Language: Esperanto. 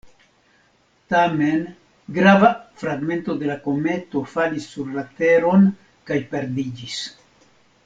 Tamen grava fragmento de la kometo falis sur la Teron kaj perdiĝis.